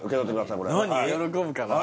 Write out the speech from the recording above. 喜ぶかな？